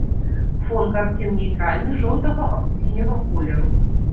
Фон карцін нейтральны, жоўтага або сіняга колеру.